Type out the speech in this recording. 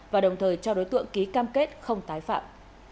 và đồng thời cho đối tượng ký cam kết không tái phạm